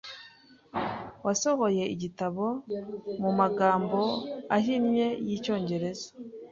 wasohoye igitabo mu magambo ahinnye yicyongereza